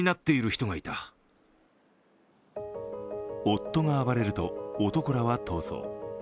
夫が暴れると、男らは逃走。